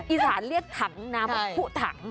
อีสานเรียกถังน้ำผู้ถัง